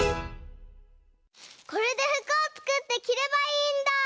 これでふくをつくってきればいいんだ！